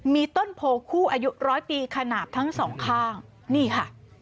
มีต้นโพคู่อายุร้อยปีขนาดทั้งสองข้างนี่ค่ะ